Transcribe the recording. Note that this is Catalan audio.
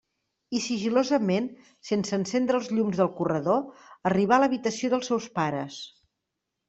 I sigil·losament, sense encendre els llums del corredor, arribà a l'habitació dels seus pares.